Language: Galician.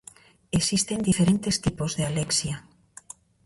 Existen diferentes tipos de alexia.